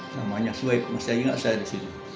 namanya sueb masih ingat saya di sini